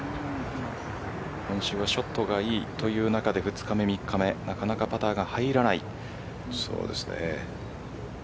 今週はショットがいいという中で２日目３日目なかなかパターが入らない。